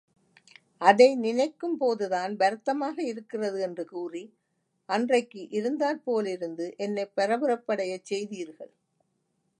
அதை நினைக்கும்போதுதான் வருத்தமாக இருக்கிறது என்று கூறி அன்றைக்கு இருந்தாற் போலிருந்து என்னைப் பரபரப்படையச் செய்தீர்கள்.